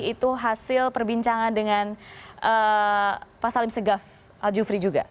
itu hasil perbincangan dengan pak salim segaf aljufri juga